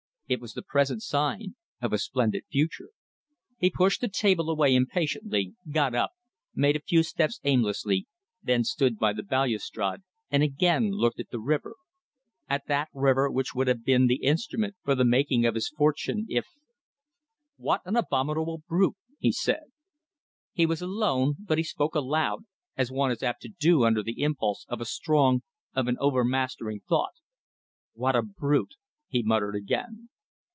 It was the present sign of a splendid future. He pushed the table away impatiently, got up, made a few steps aimlessly, then stood by the balustrade and again looked at the river at that river which would have been the instrument for the making of his fortune if ... if ... "What an abominable brute!" he said. He was alone, but he spoke aloud, as one is apt to do under the impulse of a strong, of an overmastering thought. "What a brute!" he muttered again.